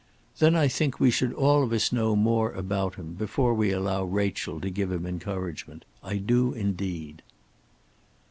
"Then I think we should all of us know more about him, before we allow Rachel to give him encouragement; I do indeed."